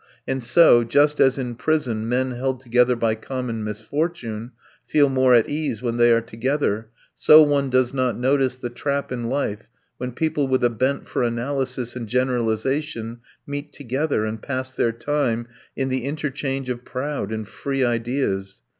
And so, just as in prison men held together by common misfortune feel more at ease when they are together, so one does not notice the trap in life when people with a bent for analysis and generalization meet together and pass their time in the interchange of proud and free ideas.